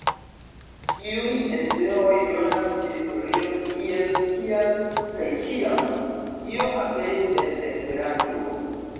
Iuj eseoj donas historion kiel, kial, kaj kiam "-io" aperis en Esperanto.